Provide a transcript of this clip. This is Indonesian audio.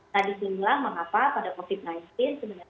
nah disinilah mengapa pada covid sembilan belas sebenarnya faktor utama adalah